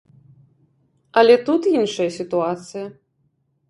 Але тут іншая сітуацыя.